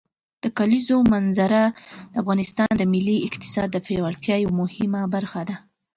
د کلیزو منظره د افغانستان د ملي اقتصاد د پیاوړتیا یوه مهمه برخه ده.